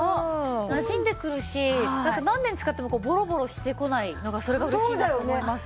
なじんでくるし何年使ってもボロボロしてこないのがそれが嬉しいなって思います。